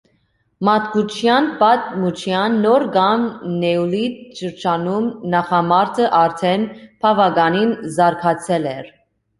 Մարդկության պատմության նոր կամ նեոլիթ շրջանում նախամարդը արդեն բավականին զարգացել էր։